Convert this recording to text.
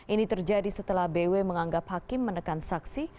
ini terjadi setelah bw menganggap hakim menekan saksi